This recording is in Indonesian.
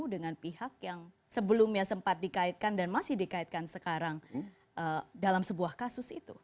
dengan pihak yang sebelumnya sempat dikaitkan dan masih dikaitkan sekarang dalam sebuah kasus itu